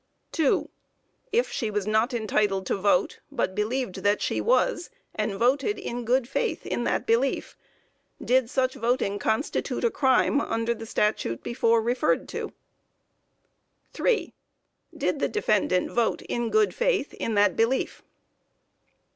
2. If she was not entitled to vote, but believed that she was, and voted in good faith in that belief, did such voting constitute a crime under the statute before referred to? 3. Did the defendant vote in good faith in that belief?